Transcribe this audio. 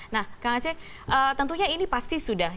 nah kak ngece tentunya ini pasti sudah